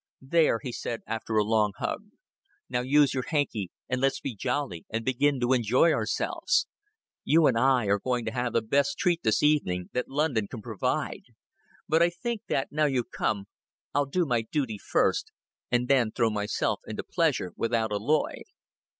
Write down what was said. "There," he said, after a long hug. "Now use your hanky, and let's be jolly and begin to enjoy ourselves. You and I are going to have the best treat this evening that London can provide. But I think that, now you've come, I'll do my duty first, and then throw myself into the pleasure without alloy.